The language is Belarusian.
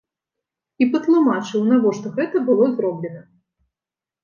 І патлумачыў, навошта гэта было зроблена.